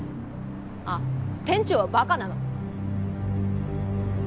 あっ店長はバカなの？